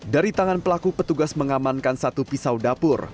dari tangan pelaku petugas mengamankan satu pisau dapur